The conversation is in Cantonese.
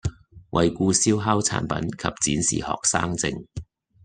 惠顧燒烤產品及展示學生證